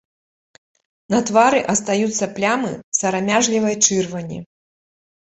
На твары астаюцца плямы сарамяжлівай чырвані.